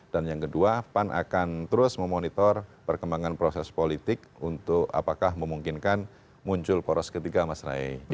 dan yang kedua pan akan terus memonitor perkembangan proses politik untuk apakah memungkinkan muncul poros ketiga mas rai